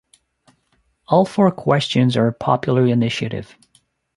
All four questions are popular initiative.